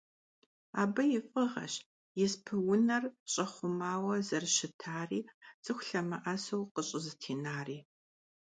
Абы и фIыгъэщ испы-унэр щIэхъумауэ зэрыщытари, цIыху лъэмыIэсу къыщIызэтенари.